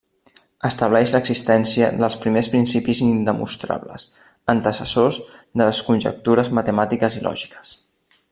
Estableix l'existència dels primers principis indemostrables, antecessors de les conjectures matemàtiques i lògiques.